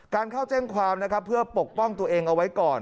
การเข้าแจ้งความเพื่อปกป้องตัวเองเอาไว้ก่อน